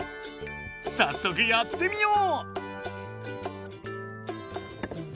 さっそくやってみよう！